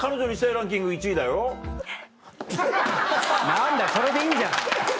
何だよそれでいいんじゃん。